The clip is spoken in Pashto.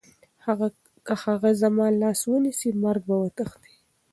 که هغه زما لاس ونیسي، مرګ به وتښتي.